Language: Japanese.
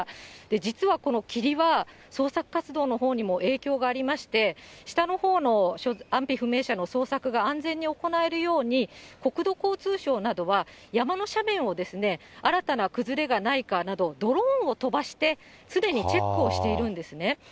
実はこの霧は、捜索活動のほうにも影響がありまして、下のほうの安否不明者の捜索が安全に行えるように、国土交通省などは、山の斜面をですね、新たな崩れがないかなど、ドローンを飛ばして、常にチェックをしているんですね。